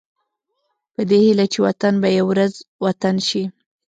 په دې هيله چې وطن به يوه ورځ وطن شي.